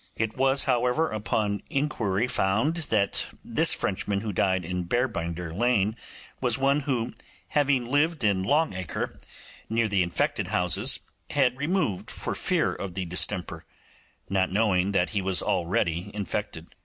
It was, however, upon inquiry found that this Frenchman who died in Bearbinder Lane was one who, having lived in Long Acre, near the infected houses, had removed for fear of the distemper, not knowing that he was already infected.